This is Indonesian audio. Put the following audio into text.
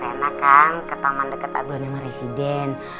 sama rena kan ke taman deket aglonema residen